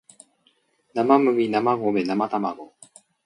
なまむぎなまごめなまたまご